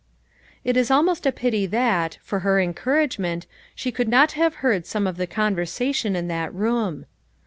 It is almost a pity that, for her encourage ment, she could not have heard some of the con versation in that room.